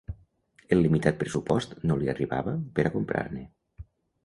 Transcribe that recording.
El limitat pressupost no li arribava per a comprar-ne